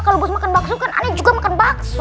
kalo bos makan bakso kan aneh juga makan bakso